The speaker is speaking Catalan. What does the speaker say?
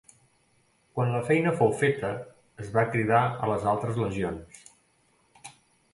Quan la feina fou feta es va cridar a les altres legions.